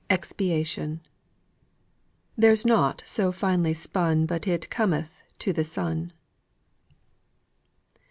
EXPIATION. "There's nought so finely spun But it cometh to the sun."